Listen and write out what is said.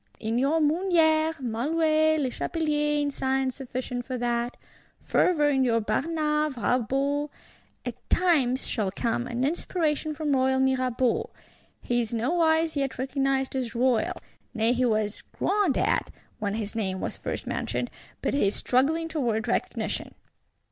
In your Mouniers, Malouets, Lechapeliers in science sufficient for that; fervour in your Barnaves, Rabauts. At times shall come an inspiration from royal Mirabeau: he is nowise yet recognised as royal; nay he was "groaned at," when his name was first mentioned: but he is struggling towards recognition.